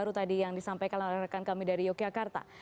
baru tadi yang disampaikan oleh rekan kami dari yogyakarta